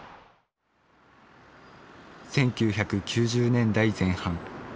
１９９０年代前半。